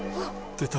出た！